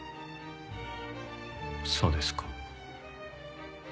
そうですか。